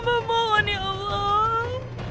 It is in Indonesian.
mbak mohon ya allah